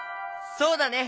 そうだね。